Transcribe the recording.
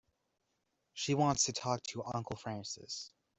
She wants to talk to Uncle Francis.